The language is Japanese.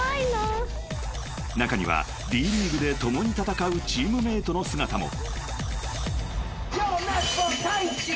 ［中にはＤ．ＬＥＡＧＵＥで共に戦うチームメートの姿も］